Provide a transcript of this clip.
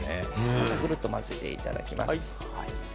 ぐるぐると混ぜていただきます。